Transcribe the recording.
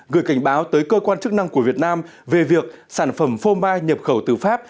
gửi cảnh báo tới cơ quan chức năng của việt nam về việc sản phẩm phô mai nhập khẩu từ pháp